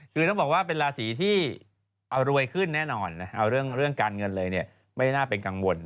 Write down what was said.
คือต้องบอกว่าเป็นราศีที่เอารวยขึ้นแน่นอนนะเอาเรื่องการเงินเลยเนี่ยไม่น่าเป็นกังวล